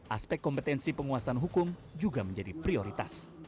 aspek kompetensi penguasaan hukum juga menjadi prioritas